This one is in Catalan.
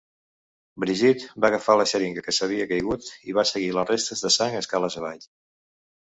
Brigitte va agafar la xeringa que s"havia caigut i va seguir les restes de sang escales abaix.